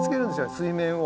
水面を。